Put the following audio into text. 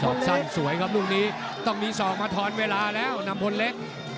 อกสั้นสวยครับลูกนี้ต้องมีศอกมาทอนเวลาแล้วนำพลเล็ก